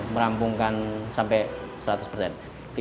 merampungkan sampai seratus persen